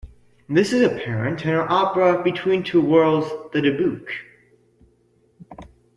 This is apparent in her opera Between Two Worlds-The Dybbuk.